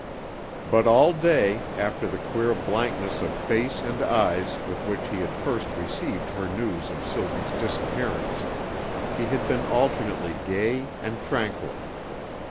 But all day, after the queer blankness of face and eyes with which he had first received her news of Sylvie's disappearance, he had been alternately gay and tranquil.